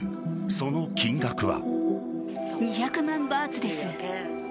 その金額は。